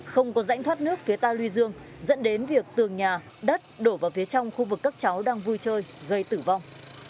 không có rãnh thoát nước phía ta luy dương dẫn đến việc tường nhà đất đổ vào phía trong khu vực các cháu đang vui chơi gây tử vong